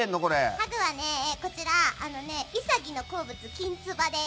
ハグはね、潔の好物きんつばです。